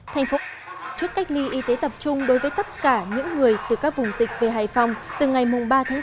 trước cách ly y tế tập trung đối với tất cả những người từ các vùng dịch về hải phòng từ ngày ba tháng bốn